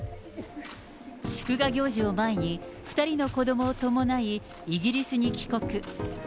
祝賀行事を前に、２人の子どもを伴い、イギリスに帰国。